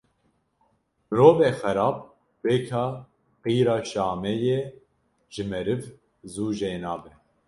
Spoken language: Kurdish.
Mirovê xerab weka qîra Şamê ye ji meriv zû jê nabe